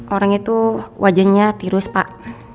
orang itu wajahnya tirus pak